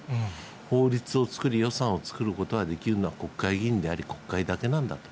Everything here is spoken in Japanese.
法律を作り、予算を作ることができるのは国会議員であり、国会だけなんだと。